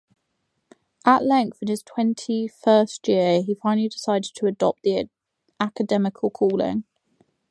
At length, in his twenty-first year, he finally decided to adopt the academical calling.